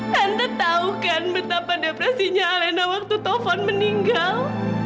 tante tau kan betapa depresinya alena waktu tovan meninggal